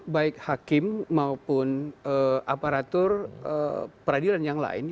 baik hakim maupun aparatur peradilan yang lain